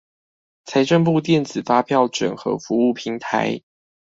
財政部電子發票整合服務平台